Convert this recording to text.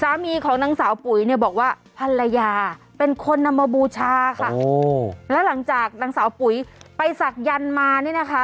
สามีของนางสาวปุ๋ยเนี่ยบอกว่าภรรยาเป็นคนนำมาบูชาค่ะแล้วหลังจากนางสาวปุ๋ยไปศักยันต์มาเนี่ยนะคะ